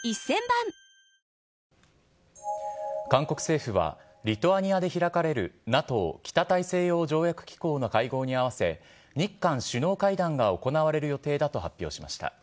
韓国政府は、リトアニアで開かれるＮＡＴＯ・北大西洋条約機構の会合に合わせ、日韓首脳会談が行われる予定だと、発表しました。